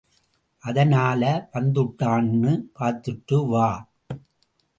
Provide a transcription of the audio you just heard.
அதனால வந்துட்டானான்னு பார்த்துட்டு வா.